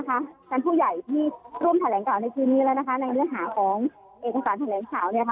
การผู้ใหญ่ที่ร่วมแถลงกล่าวในชีวิตนี้และในเนื้อหาของเอกสารแถลงข่าว